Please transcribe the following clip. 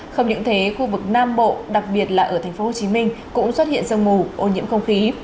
không những thế khu vực nam bộ đặc biệt là ở tp hcm cũng xuất hiện sương mù ô nhiễm không khí